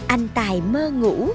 anh tài mơ ngủ